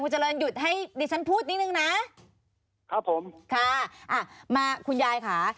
เจริญหยุดให้ดิฉันพูดนิดนึงนะครับผมค่ะอ่ะมาคุณยายค่ะ